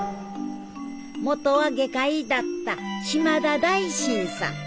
元は外科医だった島田大心さん。